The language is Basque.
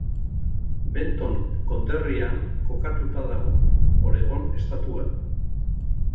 Benton konderrian kokatuta dago, Oregon estatuan.